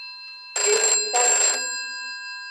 Enutaci.